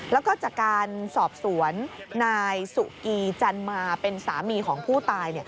แล้วก็จากการสอบสวนนายสุกีจันมาเป็นสามีของผู้ตาย